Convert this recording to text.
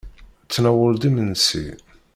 Tnawel-d imensi.